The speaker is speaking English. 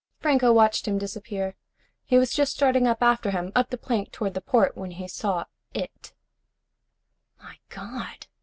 Franco watched him disappear. He was just starting up after him, up the plank toward the port, when he saw it. "My God!"